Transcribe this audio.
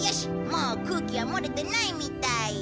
もう空気は漏れてないみたい。